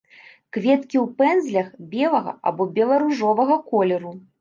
Кветкі ў пэндзлях, белага або бела-ружовага колеру.